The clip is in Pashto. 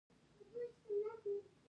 مسکو ته یو پلاوی واستول شو